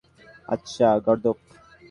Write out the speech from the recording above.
আচ্ছা, গর্দভ।